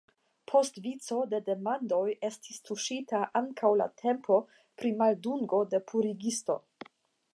Post vico de demandoj estis tuŝita ankaŭ la temo pri maldungo de purigisto.